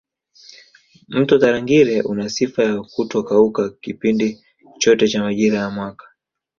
Mto Tarangire una sifa ya kutokauka kipindi chote cha majira ya mwaka